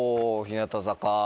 日向坂。